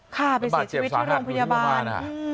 ค่ะไปเสียชีวิตที่โรงพยาบาล